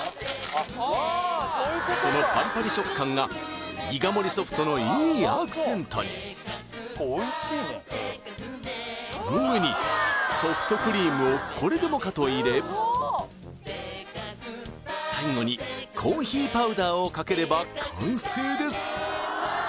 そのパリパリ食感がギガ盛りソフトのいいアクセントにその上にソフトクリームをこれでもかと入れ最後にコーヒーパウダーをかければ完成です